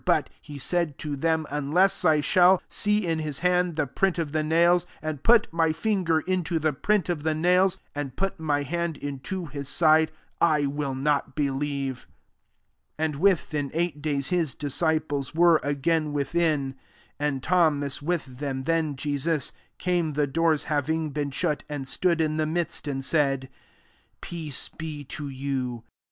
But he said to them, " Unless I shall see in his hands the print of the nails^ and put my finger into the print of the nails, and put my hand into his side, I , will not be lieve." 26 Ami, within eight days, his disciples were again with in, and Thomas with them: then Jesus came, the doors hav ing been shut, and stood in the midst, and said, " Peace be to you."